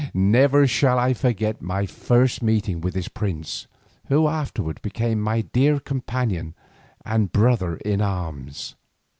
Never shall I forget my first meeting with this prince who afterwards became my dear companion and brother in arms.